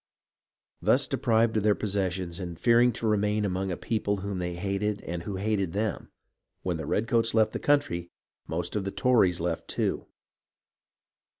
Thus deprived of their possessions and fearing to remain among a people whom they hated and who hated them, when the redcoats left the country, most of the Tories left too.